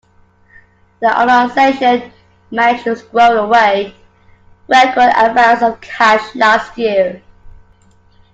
The organisation managed to squirrel away record amounts of cash last year.